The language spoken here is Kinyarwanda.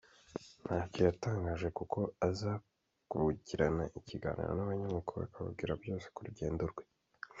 ntacyo yatangaje kuko aza kugirana ikiganiro n’abanyamakuru akababwira byose ku rugendo rwe.